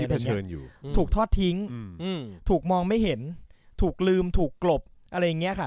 ที่เผชิญอยู่ถูกทอดทิ้งอืมถูกมองไม่เห็นถูกลืมถูกกลบอะไรอย่างเงี้ยค่ะ